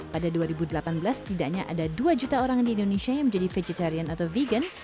pada dua ribu delapan belas setidaknya ada dua juta orang di indonesia yang menjadi vegetarian atau vegan